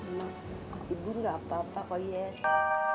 mbak ibu gak apa apa kok ya